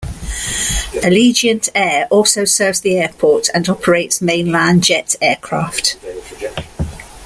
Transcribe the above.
Allegiant Air also serves the airport and operates mainline jet aircraft.